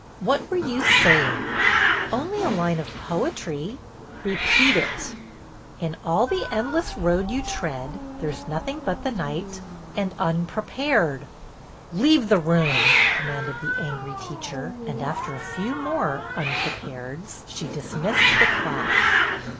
" What were you saying "" Only a line of poetry." " Repeat it." "'In all the endless road you tread There 's nothing but the night, — and unprepared.' "" Leave the room," commanded the angry teacher, and, after a few more " unprepareds," she dismissed the class.